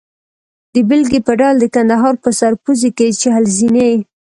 د بېلګې په ډول د کندهار په سرپوزي کې چهل زینې.